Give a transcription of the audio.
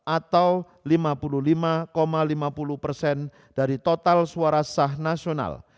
atau lima puluh lima lima puluh persen dari total suara sah nasional